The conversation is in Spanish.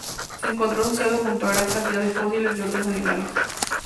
Se encontró asociado junto a gran cantidad de fósiles de otros animales.